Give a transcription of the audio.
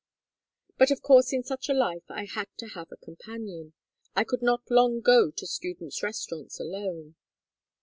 "But of course in such a life I had to have a companion, I could not long go to students' restaurants alone.